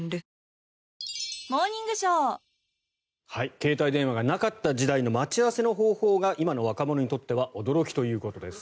携帯電話がなかった時代の待ち合わせの方法が今の若者にとっては驚きということです。